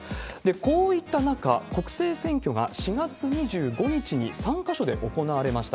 こういった中、国政選挙が４月２５日に３か所で行われました。